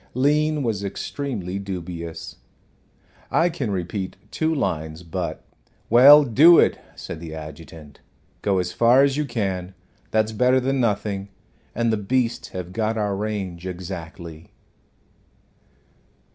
Lean was extremely dubious. "I can repeat two lines, but " "Well, do it," said the adjutant. "Go as far as you can. That's better than nothing. And the beasts have got our range exactly."